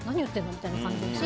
みたいな感じですし